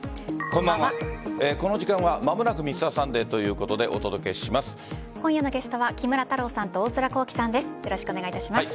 この時間は「まもなくＭｒ．サンデー」ということでお届けします。